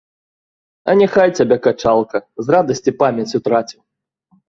А няхай цябе качалка, з радасці памяць утраціў.